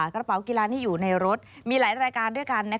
กระเป๋ากีฬาที่อยู่ในรถมีหลายรายการด้วยกัน